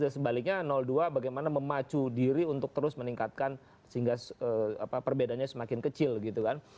sebaliknya dua bagaimana memacu diri untuk terus meningkatkan sehingga perbedaannya semakin kecil gitu kan